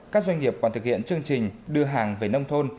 các doanh nghiệp còn thực hiện chương trình đưa hàng về nông thôn